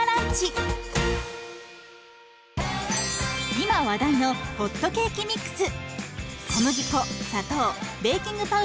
今話題のホットケーキミックス。